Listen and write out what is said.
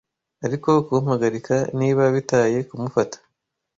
Ariko kumpagarika niba bitaye kumufata